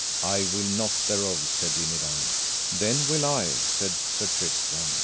I will not thereof, said Dinadan. Then will I, said Sir Tristram.